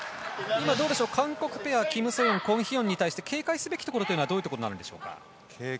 今、韓国ペアキム・ソヨン、コン・ヒヨンに対して警戒すべきところはどういうところでしょう。